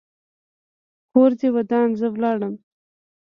کور دې ودان؛ زه ولاړم.